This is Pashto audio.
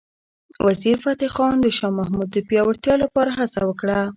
وزیرفتح خان د شاه محمود د پیاوړتیا لپاره هڅه وکړه.